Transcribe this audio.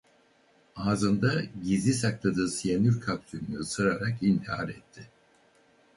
Ağzında gizli sakladığı siyanür kapsülünü ısırarak intihar etti.